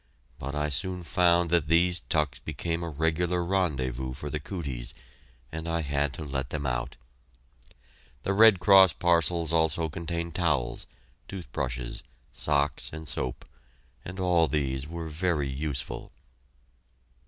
But I soon found that these tucks became a regular rendezvous for the "cooties," and I had to let them out. The Red Cross parcels also contained towels, toothbrushes, socks, and soap, and all these were very useful.